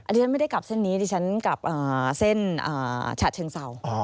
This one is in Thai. อันนี้ฉันไม่ได้กลับเส้นนี้ฉันกลับเส้นฉะเชิงเสา